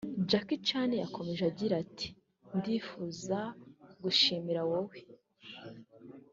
Jackie Chan yakomeje agira ati “ Ndifuza gushimira wowe